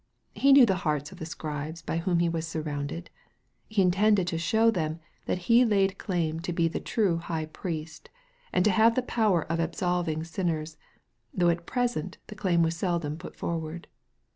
He knew the hearts of the Scribes by whom He was surrounded. He intended to show them that He laid claim to be the true High Priest, and to have the power of absolving sinners, though at present the claim was seldom put forward.